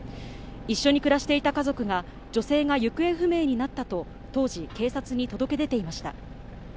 一緒に暮らしていた家族が女性が行方不明になったと当時、警察に届け出ていました。